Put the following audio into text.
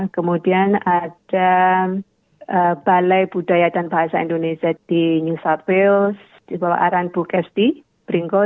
kemudian ada balai budaya dan bahasa indonesia di new south wales di bawah arahan bu kesti brinko